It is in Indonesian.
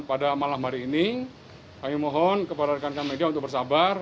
pada malam hari ini kami mohon kepada rekan rekan media untuk bersabar